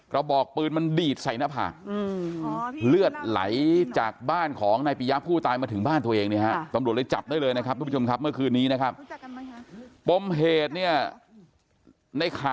บอกปืนมันดีดใส่หน้าผากเลือดไหลจากบ้านของนายปียะผู้ตายมาถึงบ้านตัวเอง